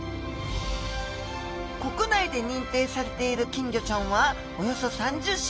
国内で認定されている金魚ちゃんはおよそ３０種。